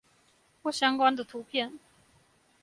或相關的圖片